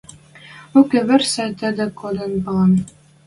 Уке вырсы, тӹдӹ кодын палан.